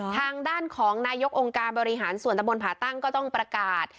ทางด้านของนายกองค์การบริหารส่วนตะบนผ่าตั้งก็ต้องประกาศ